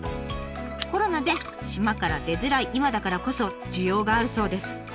コロナで島から出づらい今だからこそ需要があるそうです。